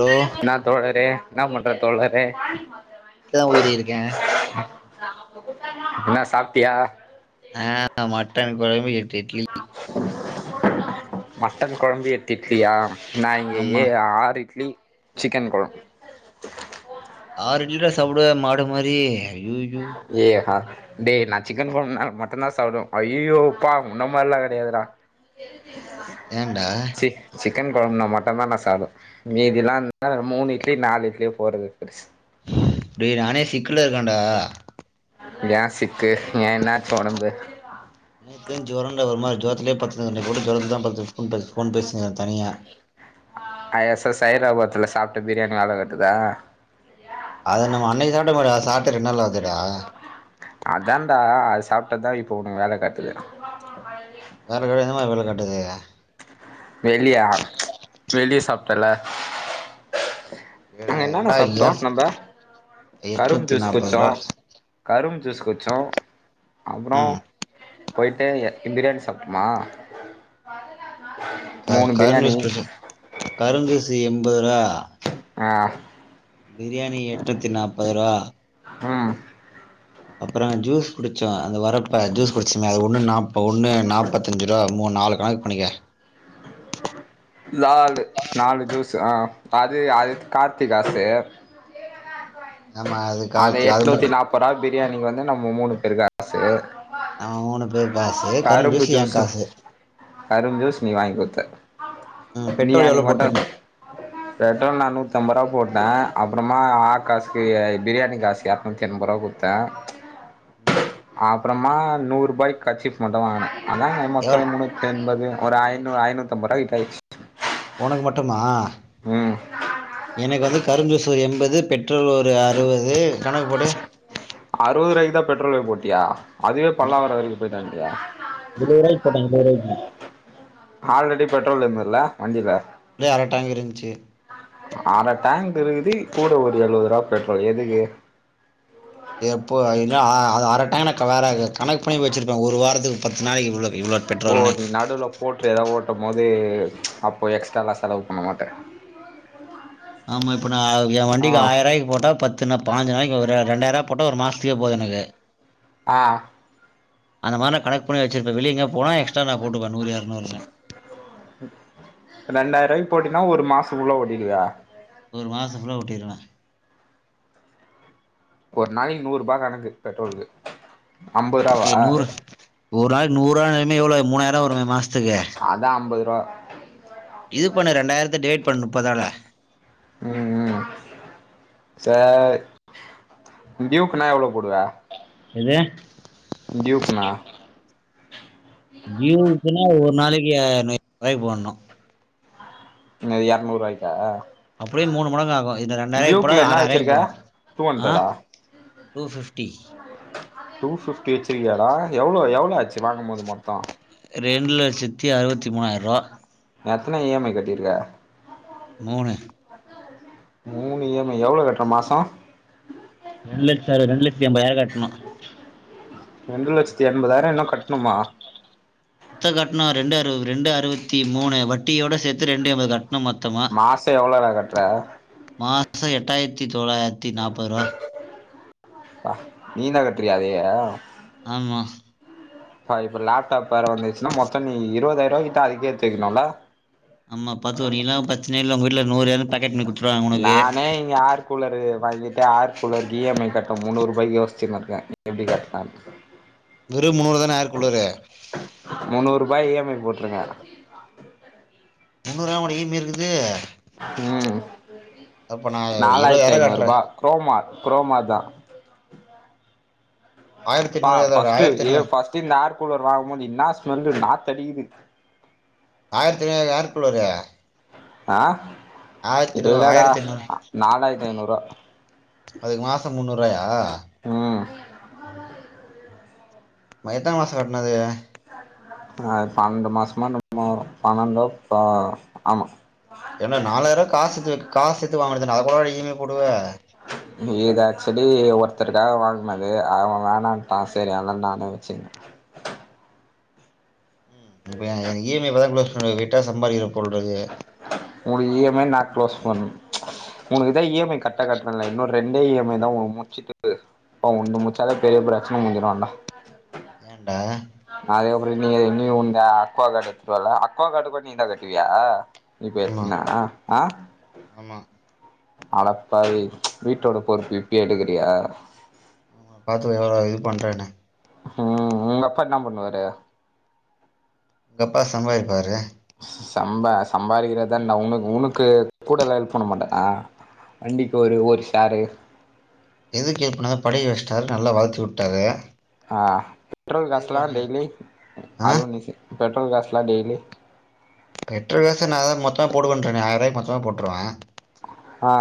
Hello என்னா தோழரே என்னா பண்றே தோழரே இப்பதா உயிரி இருக்கேன் என்னா சாப்ட்டியா அ மட்டன் கொழம்பு எட்டு இட்லி மட்டன் கொழம்பு எட்டு இட்லியா நான் இங்க ஆமா ஏ ஆறு இட்லி சிக்கன் கொழம்பு ஆறு இட்லியா சாப்டுவே மாடு மாரி அய்யய்யோ ஏ ஹா டேய் நான் சிக்கன் கொழம்புன்னா மட்டன் தா சாப்பிடுவே அய்யய்யோ அப்பா உன்ன மாரில்லா கெடையாதுடா ஏன்டா சே சிக்கன் கொழம்புன்னா மட்டுந்தா நா சாப்டுவே மீதில்லா இருந்தா மூணு இட்லி நாலு இட்லியோ போறது பெருசு டேய் நானே சிக்குல இருக்கன்டா ஏன் சிக்கு ஏன் என்னாச்சு ஒடம்பு நேத்துல இருந்து ஜொரன்டா ஒரு மாரி ஜொரத்துலயே பத்துனுருக்கேன்டா இப்ப கூட ஜொரத்தில தா படுத்துன்டு ஃபோன் பேச ஃபோன் பேசினுருக்கே தனியா ஐ எஸ் எஸ் சைராபாத்துல சாப்பிட்ட பிரியாணி வேல காட்டுதா அது நம்ம அன்னைக்கு சாப்பிட்ட மாதிரி அத சாப்ட்டே ரெண்டு நாள் ஆவுதேடா அதான்டா அது சாப்ட்டது தா இப்போ உனக்கு வேல காட்டுது வேற வீடுங்கலா எப்டி கட்டுதீங்க வெளியா வெளிய சாப்டல ஏடா அங்க என்னன்ன என்னடா சாப்ட்டோ எஃப் நம்ம கரும்பு எட்நூத்தி ஜூஸ் நாப்பது குட்ச்சோ ரூவா கரும்பு ஜூசு குட்ச்சோ அப்புறோ ம் பொயி்ட்டு எ பிரியாணி சாப்ட்டமா க மூணு கரும்பு பிரியாணி ஜூஸ் குடிச்சோ கரும்பு ஜூசு எம்பது ருவா ஆ பிரியாணி எட்நூத்தி நாப்பது ரூவா ம் அப்புறோ ஜூஸ் குடிச்சோ அந்த வரப்ப ஜூஸ் குடிச்சமே அது ஒன்னு நாப் ஒன்னு நாப்பத்தஞ்சு ரூவா மூணு நாலு கணக்கு பண்ணிக்க நாலு நாலு ஜூசு அ அது அது கார்த்தி காசு ஆமா அது அந்த காசு அது எட்நூத்தி மட்டு நாப்பதா பிரியாணிக்கு வந்து நம்ம மூணு பேரு காசு நம்ப மூணு பேரு காசு கரும்பு ஜூசு ஏன் காசு கரும்பு ஜூஸ் நீ வாங்கி குடுத்த ம் பெட்ரோல் எவ்ளோ போட்டுருக்கிங்க அவனா பெட்ரோல் நா நூத்தம்பது ரூவா போட்ட அப்புறமா ஆகாசுக்கு பிரியாணி காசுக்கு இரநூத்தி என்பது ரூவா கொடுத்தே அப்புறமா நூறு ரூபாய்க்கு கர்ச்சிஃப் மட்டும் வாங்னே அதா மொத்தோ எவள் முந்நூத் என்பது ஒரு ஐநூறு ஐநூத்திஅம்பது ருவாகிட்ட ஆயிருச்சு உனக்கு மட்டுமா ம் எனக்கு வந்து கரும்பு ஜூசுல என்பது பெட் ரோல் ஒரு அருவது கணக்குபோடு அருவது ரூவாய்குதா பெட்ரோலே போட்டியா அதுவே பல்லாவரம் வரைக்கு பெயிட்டு வந்ட்டியா எழுவது ரூபாய்க்கு போட்டே எழுவது ரூபாய்க்கு ஆல்ரெடி பெட்ரோல் இருந்ததுல வண்டில இதே அரட்டேங்கு இருந்துச்சு அற டேங்க் இருக்குது கூட ஒரு எழுவது ரூபா பெட்ரோல் எதுக்கு எப்போ அது என்ன அ அது அரட்டேங்குன்னா கலராகு கணக்கு பண்ணி வச்சிருப்பே ஒரு வாரத்துக்கு பத்து நாளைக்கி இவ்ளவு ஓ நீ நடுலப் ஓட்டுற எதாது ஓட்டும் போது அப்போ எக்ஸ்ட்ராலா செலவு பண்ண மாட்ட ஆமாம் இப்போ நா என் வண்டிக்கு ஆயிரரூபாய்க்கு போட்டா பத்து என்ன பதுனஞ்சி நாளைக்கி ஒரு ரெண்டாயிரரூபாய்கு போட்டா ஒரு மாஸ்த்துக்கே போது எனக்கு அ அந்த மாரி நா கணக்கு பண்ணி வச்சிருப்பே வெளிய எங்கயாது போனா எக்ஸ்ட்டா நா போட்டுப்ப நூறு எரநூறுனு ரெண்டாயிர ரூவாய்க்கு போட்டினா ஒரு மாசோ ஃபுல்லா ஓட்டிருவியா ஒரு மாச ஃபுல்லா ஓட்டிருவ ஒரு நாளைக்கு நூற் ரூபா கணக்கு பெட்ரோலுக்கு அம்ப ஏ நூறு ஒரு ஆள்க் நூற் ரூவானாலுமே எவ்ளோ மூணாயிரூவா வருமே மாசத்துக்கு அதா அம்பது ரூவா இது பண்ணு ரெண்டாயிரத்த டிவைட் பண்ணு முப்பதால ம் ம் சேரி டியூக்குனா எவ்ளோ போடுவ எது டியுக்குனா டியுவுக்குனா ஒரு நாளைக்கு அ [inaudible] ய்க்கு போடணு எனது எரநூறுவாய்க்கா அப்டியே மூணு மடங்கு ஆகு இது ரெண்டாயிரவாய்க்கு போட்டா டியூக்ல அது என்ன ஆறாயிரவாய்க்கு வச்சிருக்க போடணு டூ ஆ ஹண்ட்ரடா டூ ஃபிப்டி டூ பிப்டி வச்சிருக்கியாடா எவ்ளோ எவ்ளோ ஆச்சு வாங்கும் போது மொத்தோ ரெண்டு லட்சத்தி அறுவத்தி மூணாயிரூபா எத்தன இ எம் ஐ கட்டிருக்க மூணு மூணு இ எம் ஐ எவ்ளோ கட்ற மாசோ ரெண்டு லட்ச அறுபதா ரெண்டு லட்சத்தி எம்பதாயிரோ கட்நோ ரெண்டு லட்சத்தி எண்பதாயிரோ இன்னு கட்ணுமா மொத்த கட்ணோ ரெண்டு அறுவ ரெண்டு அறுவத்தி மூணு வட்டியோட சேத்து ரெண்டு இர்வது கட்டநோ மொத் மாசோ எவ்ளோலா கட்ற மாசோ எட்டாயிரத்தி தொள்ளாயிரத்தி நாப்பது ரூவா அ நீதா கட்றியா அதயே ஆமா பா இப்ப லேப்டாப் வேற வந்துச்சுன்னா மொத்தோ நீ இருபதாயிர ரூபா கிட்ட அதுகே எடுத்து வைக்கணுல ஆமா பாத்து நீ எல்லா பிரச்சனயே இல்ல உங்க வீட்ல நூறு எர நூறு பேக்கட் மணி குடுத்துருவாங்க உனக்கு எ யாரு கூலரு வாங்கிட்டு ஆர் கூலருக்கு இ எம் ஐ கட்னு முந்நூறு ரூபாய்க்கு யோசுச்சுனு இருக்கே எப்டி கட்டலான் வெறு முந்நூறு தான ஏர் கூலரு முன்னூறு ரூபாய் இ எம் ஐ போட்ருக்கே முன்னூறு லாமா டா இ எம் ஐ இருக்குது ம் அப்ப நா நாலாயிரத்தி இருவதாயிரோ ஐந்நூறு கட்றே ரூபா குரோமா குரோமா தா ஆயிரத்தி பா ஐநூறு ஃபர்ஸ்டு ஆயிரத்தி ஏ ஐநூறு ஃபர்ஸ்டு இந்த ஏர் கூலர் வாங்கும்போது என்ன ஸ்மெல்லு நாத்தொ அடிக்குது ஆயிரத்தி [unintelligible] ஏர்கூலரு அ ஐநூறு இல்லடா ஆயிரத்தி ஐநூறு நாலாயிரத்தி ஐநூறுவா அதுக்கு மாசம் முன்னூறு ரூபாயா ம் ம எத்தன மாசோ கட்டனு அது அ பன்னெண்டு மாசமோ முப் [inaudible] வரும் பன்னெண்டோ ப ஆமா ஏண்டா நாலாயிரோரூவா காசு சேத்து காசு சேத்து வாங்க வேண்டியது தான டா அத கூடவா டா இ எம் ஐ போடுவ ஹ இது ஆக்சுவலி ஒருத்தருக்காக வாங்னது அவ வேணான்ட்டான் சேரி அதா நானே வச்சுக்கிட்டே ம். இப்ப எ எ இ எம் ஐ இப்பதா குளோஸ் பண்றது விட்டா சம்பாரிக்ற போடுறது உங்க இ எம் ஐ நா களோஸ் பண்ணு உனக்குதா இ எம் ஐ கரெக்ட் கட்ரன்ல இன்னு ரெண் டு இ எம் ஐ தா ஒ முடிச்சுட்டு இருக்கு அத ஒனு முடிச்சாத பெரிய பிரச்சன முடிஞ்சுடு அதா ஏண்டா அது அப்பறம் நீ நீ உந்து அக்வா கார்டு எத்துருவல அக்வா க்காட் கூட நீ தான் கட்டுவியா இப்ப ஆமா எத்தன ஆ ஆமா அட பாவி வீட்டோட பொறுப்பு இப்பயே எடுக்கறயா பார்த்துகோ எவ்ளோ இது பண்ணுறேண்ணு ம் ம் உங்க அப்பா என்ன பண்ணுவாரு எங்கப்பா சம்பாரிப்பாரு சம்பா சம்பாதிக்கிறதான் உன உனக்கு கூடலாம் ஹெல்ப் பண்ண மாட்டாரா வண்டிக்கு ஒரு ஒரு ஷேரு எதுக்கு ஹெல்ப்பணு படிக்க வச்சுடாரு நல்லா வளத்து வுட்டாரு ஆ பெட்ரோல் காஸ்ல்லாம் டெய்லி ஆ அதுவும் நீ பெட்ரோல் காசெல்லாம் டெய்லி பெட்ரோல் காச நான் தான் மொத்தமா போடுவென்றனே ஆய்ரூபாய்கு மொத்தமா போட்டுருவேன் ஆ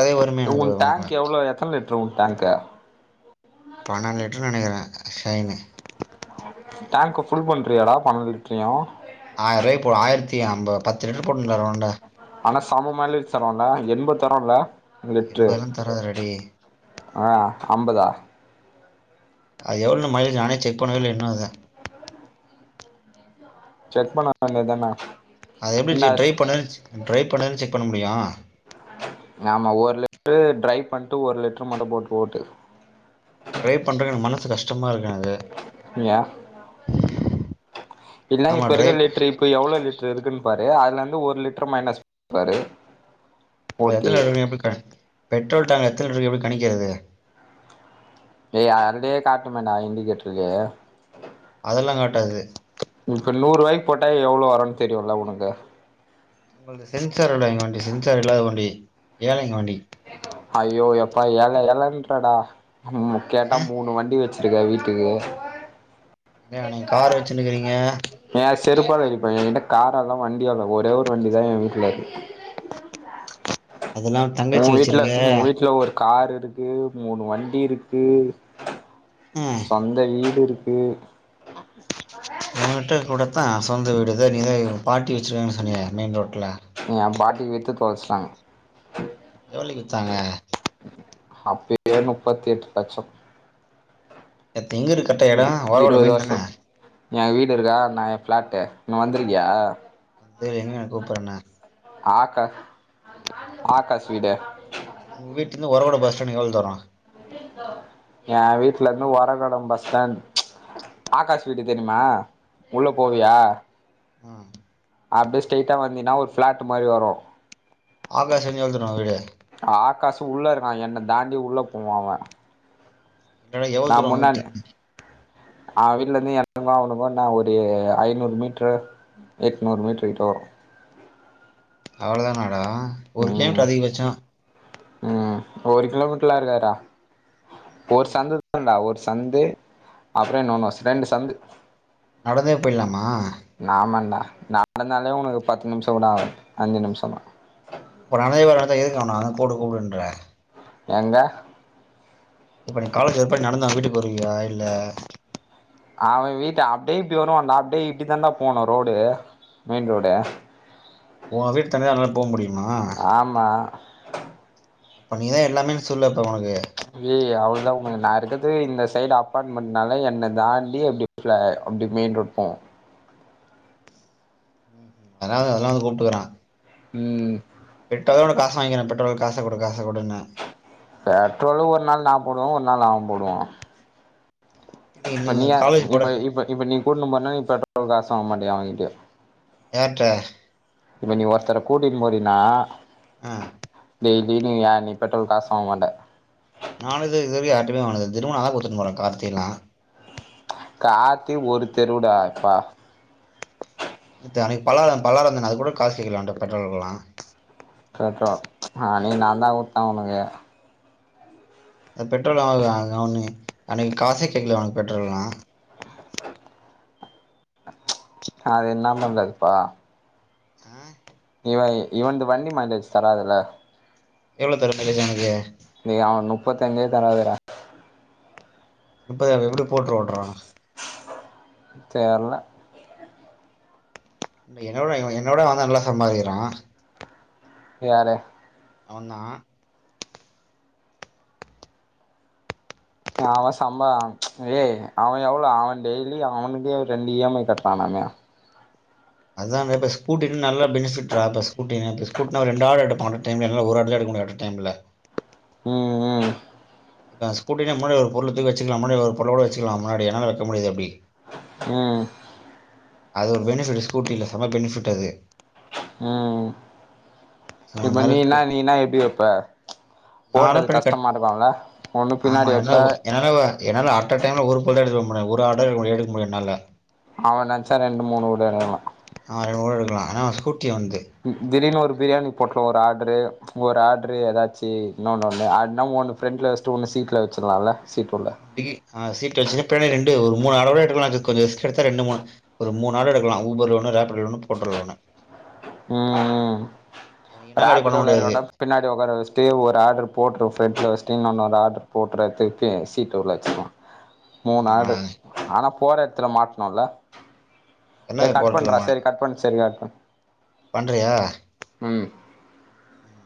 அதே வருமே எனக்கு உன் அ டேங்க் எவ்ளோ எத்தன லிட்டரு உன் டேங்க்கு பண்நென்டு லிட்டர்னு நினைக்கிறேன் ஷைனு டேங்க்க ஃபுல் பண்றியாடா பன்நண்டு லிட்டர்யும் ஆயிரம் ரூவாய்கு போடு ஆயிரத்தி ஐம்ப பத்து லிட்டர் போடுன்ருவ ரவுண்ட ஆனா சம மைலேஜ் தரும்ல எண்பது தரும்ல லிட்ரு எண்பதுலா தராதுடா டேய் ஆ அம்பதா அது எவ்ளோ மைல்லேஜு நானே செக் பண்ணவே இல இன்னும் அத செக் பண்ண வேண்டியது தானா அது எப்டி ஜு ட்ரை பண்ணா ட்ரை பண்ணாதா செக் பண்ண முடியு ஆமா ஒரு லிட்டரு ட்ரை பண்ட்டு ஒரு லிட்டரு மட்டு போட்டு ஓட்டு டிரை பண்றக்கே எனக்கு மனசு கஷ்டமா இருக்கு எனக்கு இல்லே ஆமா இப்ப இருக்க டிரைவ் லிட்ரு இப்ப எவ்ளோ லிட் டர் இருக்குன்னு பாரு அதுல இருந்து ஒரு லிட்டர் மைனஸ் பன்னி பாரு அது ஓட்டி எத்தன இருக்கு எப்டி கணி பெட்ரோல் டேங்க் எத்தனை க்கு எப்டி கணிக்கிறது ஏய் அதயே காட்டுமேன்டா இண்டிகேட்டருக்கு அதெல்லா காட்டாது இப்போ நூறுூபாய்க்கு போட்டா எவ்ளோ வருனு தெரியுல உனக்கு உனக்கு சென்சார் ஓடங்க வண்டி சென்சார் இல்லாத வண்டி ஏழைங்க வண்டி ஐய்யோ எப்பா ஏழை ஏழைன்றடா ம் கேட்டா ஆ மூணு வண்டி வச்சு இருக்க வீட்டுக்கு ஏ நீங்க கார் வச்சுனுக்கிறீங்க ஏ செருப்பால அடிப்பே என்கிட்ட கார்லா இல்ல வண்டியு இல்ல ஒரே ஒரு வண்டிதா ஏ வீட்ல இருக்கு அதெல்லா ஒ தங்கச்சி வீட்ல வச்சிருக்க உங்க வீட்ல ஒரு கார் இருக்கு மூணு வண்டி இருக்கு ம் சொந்த வீடு இருக்கு ஒ கிட்ட கூட தா சொந்த வீடு நீ தா பாட்டி வச்சுருக்காங்கன்னு சொன்னியே மெயின் ரோட்ல ஏ பாட்டி வித்து தொலைச்சுட்டாங்க எவ்ளோய்க்கு வித்தாங்க அப்பேயே மூப்பத்தி எட்டு லட்சம் இப்ப எங்க இருக்கு கரெக்டா இடோ ஓரோட மெய்ன் தானே ஏ வீடு இருக்கா நா ஏ பிளாட்டு இங்க வந்திருக்கியா ஏ என்ன எங்கய கூப்பறேண்ண ஆக்கா ஆக்காஷ் வீடு உங்க வீட்லருந்து ஒரகட பஸ்டாண்டுக்கு எவள் துரோ ஏ வீட்டுலருந்து ஒரகடம் பஸ்டாண்ட் ஆகாஷ் வீடு தெரியுமா உள்ள ஆமா போவியா [inaudible] ம் அப்டியே ஸ்ரைட்டா வந்தீனா ஒரு ஃபிளாட்டு மாரி வரு ஆக்காஷ் இன்னோ எவ்ள தூர வீடு ஆ ஆகாஷு உள்ள இருக்கா என்ன தாண்டி உள்ள போவா அவ இன்னடா எவ்ளோ நா தூர முன்னாடி வீட்டுட்ட அவ வீட்லருந்து எனக்கு அவனுக்கு என்ன ஒரு ஐநூறு மீட்ரு எட்நூறு மீட்ரு கிட்ட வரு அவளதானடா ஒரு கே எம் அப்ப ம் அதிகபட்ச ம் ஒரு கிலோமீட்ருல இருக்காதுடா ஒரு ம் சந்துதாண்டா ஒரு ச சந்து அப்ற இன்னொன்னு ரெண்டு சந்து நடந்தே போயிட்லாமா நாமான்டா ந நடந்தாலே உனக்கு பத்து நிம்ஷ கூட ஆகாது அஞ்சு நிம்ஷந்தா ஒரு ஆளு இவன்லாத எதுக்கு அவன போடு கூப்டுன்ற எங்க இப்ப நீ காலேஜ் எப்புடி நடந்து அவ்ங்க வீட்டுக்கு போய்ருவியா இல்ல அவ வீட்டு அப்டியே இப்டி வருவான்டா அப்படியே இப்டிதான்டா போணு ரோடு மெயின் ரோடு ஓ வீட்ட தாண்டிதா அவ போக முடியுமா ஆமா அப்ப நீதா எல்லாமேன் சொல்லு அப்ப அவனுக்கு ஏய் அவ்ளதா உனக்கு நா இருக்கது இந்த சைடு அப்பார்ட்மெண்ட்னால என்ன தாண்டி இப்டி ட்ற அப்டி மெயின் ரோட் போவா அதாவ்து அதெல்லா வந்து கூப்ட்டுக்குறா ம் விட்டதோட காச வாங்கிறா பெட்ரோலுக்கு காச குடு காச குடுன்னு பெட்ரோலு ஒரு நாள் நா போடுவே ஒரு நாள் அவ போடுவா இப்ப நீ யா இப்ப இப்ப இப்ப நீ கூட்னும் போனா நீ பெட்ரோல்க்கு காசு வாங்க மாட்டியா அவங்கிட்டயு யார்ட்ட இப்ப நீ ஒருத்தர கூட்டினு போறினா ஆ டெய்லி நீ யார் நீ பெட்ரோல்க்கு காசு வாங்க மாட்ட நா இது இதுவரைக்கு யார்ட்டயுமே வாங்குனது இல்ல திரும்ப நா தா கூட்டுனு போறே கார்த்தியலா கார்த்தி ஒரு தெருவுடா எப்பா இது அன்னைக்கு பல்லாவர பல்லாவர வந்தனே அதுக்கு கூட காசு கேக்கல அவன்ட்ட பெட்ரோலுக்குலா காக்கா அன்னைக்கு நாந்தா குட்தே அவனுக்கு அ பெட்ரோல் அவனுக்கா அவனு அன்னைக்கு காசே கேக்கலயே அவனுக்கு பெட்ரோல்லா அது என்னா பண்றதுப்பா ஆஹ்ன் இவை இவன்ந்து வண்டி மைலேஜ் தராதுல்ல எவ்ளோ தருது மைலேஜ் உனக்கு டே அவனுக்கு நுப்பத்தஞ்சே தராதுடா நுப்பதா அவ எப்டி போட்டு ஓட்றா தெர்ல இல்ல என்னோட என்னோட அவதா நல்லா சம்பாறிகிறா யாரு அவ தா அவ சம்பா ஏ அவ எவ்ளோ அவ டெய்லி அவனுகே ரெண்டு இ எம் ஐ கட்றானாமே அத தா இப்ப ஸூகூடினா நல்லஞ பெனிஃபிட்ரா இப்ப ஸூகூடினா இப்ப ஸூகூடினா ஒரு ரெண்டு ஆயிர எடுபா அட்ட டயதுல என்னால ஒரு ஆர்ட தா எடுக முடியு அட்ட டைம்ல ம் ம் இப்ப ஸ்கூட்டின முன்னாடி ஒரு பொருள தூக்கி வச்ச கலா முன்னாடி ஒரு பொருளகூட வச்சுகலா முன்னாடி என்னால வைக்க முடியாது அப்டி ஆ அது ஒரு பெனிஃபிட் ஸ்கூட்டில செம பெனிஃபிட் அது ம் ஸோ இப்ப நறுக்கு நீனா நீனா எப்டி வப்ப நானும் ஓட்றது பண்ணி கட் கஷ்டமா மாறலா ஒண்ணு பின்னாடி வப்ப என்னால அட்ட டைம்ல ஒரு பொருள்தா எடுக்க முடியும் ஒரு ஆர்டர் ஒன் எடுக்க முடியும் என்னால அவ நெனசா ரெண்டு மூணு கூட எடுக்கலா ஆ ரெண்டு கூட எடுக்கலா ஏனா ஸ்கூட்டி அவனுது திடீர்னு ஒரு பிரியாணி பொட்டல ஒரு ஆர்ரு ஒரு ஆர்டரு ஏதாச்சு இன்னொனு ஒன்னு இன்ன ஓன்னு ஃப்ரெண்ல வச்சுட்டு ஒன்னு சீட்ல வச்சிலால சீட் உள்ள டீ சீட்ல வச்சா பின்னாடி ரெண்டு ஒரு மூணு ஆர்டர் கூட எடுக்கலா ஜஸ்ட் கொஞ்சோ ரிஸ்க் எடுத்தா ரெண்டு மூணு ஒரு மூணு ஆர்டர் எடுகலா ஊபர்ல ஒன்னு ரேபிடோல ஒன்னு போர்டல ஒன்னு ம் ம் என்னால அப்டி பண்ண ரேபிடோல இருகற முடியாது விட பின்னாடி உக்கார வச்சட்டு ஒரு ஆர்டர் போட்டு ஃப்ரென்ட்ல வச்சுட்டு இன்னொன்னு ஒரு ஆர்டர் போட்டு திருபி சீட்டு உள்ள வச்சடோனு மூணு ம் ஆ ஆர்ட ஆனா போற எடத்துல மாட்னோல ஏ என்னது கட் போர்ட்டல் பண்றா ஒன்னு சேரி கட் பண்ணு சேரி கட் பண்ணு பண்றியா ம் ம்